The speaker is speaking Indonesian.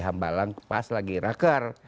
hambalang pas lagi raker